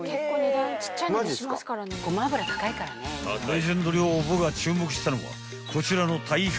［レジェンド寮母が注目したのはこちらの］